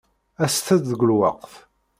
Aset-d deg lweqt.